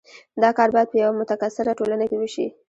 دا کار باید په یوه متکثره ټولنه کې وشي.